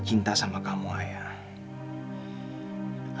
cinta sama kamu ayat